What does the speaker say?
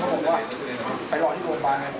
ก็พี่ไม่ให้เขาไป